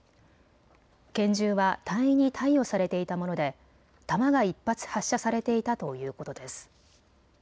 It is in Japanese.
拳銃は隊員に貸与されていたもので弾が１発発射されていたということです。